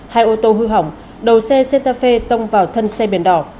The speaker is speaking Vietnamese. hai ô tô hư hỏng đầu xe santa fe tông vào thân xe biển đỏ